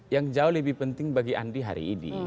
yang jauh lebih penting bagi andi hari ini